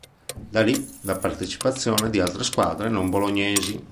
Da lì la partecipazione di altre squadre non bolognesi.